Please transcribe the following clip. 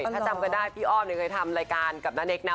ถ้าจำกันได้พี่อ้อมเคยทำรายการกับณเนคนะ